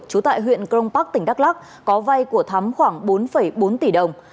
chú tại huyện công park tỉnh đắk lắc có vay của thắm khoảng bốn bốn tỷ đồng